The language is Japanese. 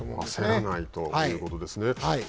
焦らないということですね。